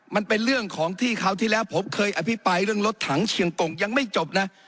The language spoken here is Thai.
มันเป็นเรื่องของที่คราวที่แล้วผมเคยอภิปรายเรื่องรถถังเชียงกงยังไม่จบนะ